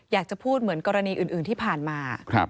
อยากจะพูดเหมือนกรณีอื่นที่ผ่านมา